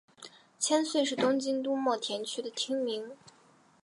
千岁是东京都墨田区的町名。